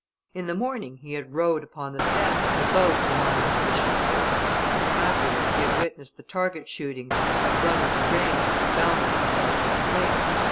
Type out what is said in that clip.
In the morning, he had rowed upon the Seine, in a boat belonging to the château. Afterwards, he had witnessed the target shooting, had run at the ring, and balanced himself in the swing.